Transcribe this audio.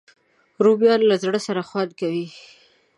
رومیان له زړه سره خوند کوي